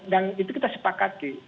dan itu kita sepakat sih